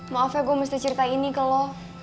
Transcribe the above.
maaf ya gue mesti ceritain nih ke lo